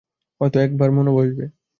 হয়তো এবার মনও বসবে।